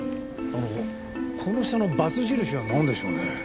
あのこの下のバツ印はなんでしょうね？